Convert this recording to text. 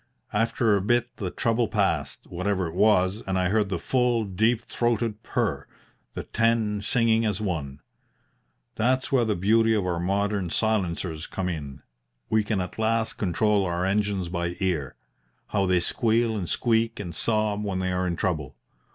After a bit the trouble passed, whatever it was, and I heard the full, deep throated purr the ten singing as one. That's where the beauty of our modern silencers comes in. We can at last control our engines by ear. How they squeal and squeak and sob when they are in trouble!